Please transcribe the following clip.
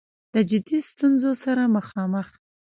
د جدي ستونځو سره مخامخ